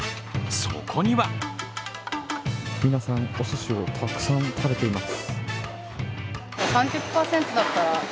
そこには皆さん、おすしをたくさん食べています。